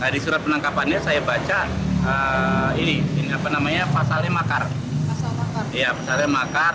di surat penangkapannya saya baca ini apa namanya pasalnya makar makar